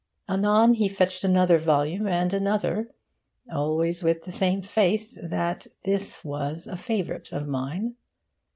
Anon he fetched another volume, and another, always with the same faith that this was a favourite of mine.